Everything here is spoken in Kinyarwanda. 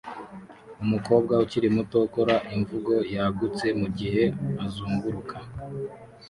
Umukobwa ukiri muto ukora imvugo yagutse mugihe azunguruka